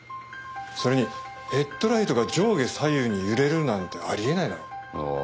それにヘッドライトが上下左右に揺れるなんてあり得ないだろう。